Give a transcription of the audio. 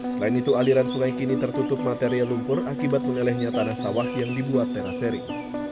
selain itu aliran sungai kini tertutup material lumpur akibat melelehnya tanah sawah yang dibuat terasering